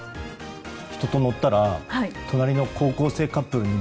人と乗ったら隣の高校生カップルに